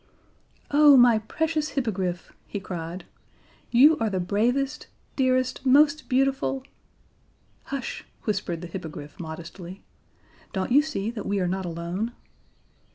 "Oh, my precious Hippogriff," he cried. "You are the bravest, dearest, most beautiful " "Hush," whispered the Hippogriff modestly. "Don't you see that we are not alone?"